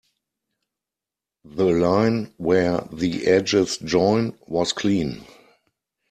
The line where the edges join was clean.